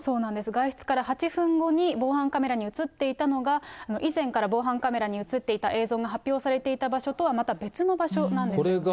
外出から８分後に、防犯カメラに写っていたのが、以前から防犯カメラに写っていた映像の発表されていた場所とはまた別の場所なんですよね。